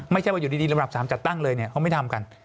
ไม่ใช่ว่าอยู่ดีลำดับ๓จัดตั้งเลยเนี่ยเขาไม่ทำกัน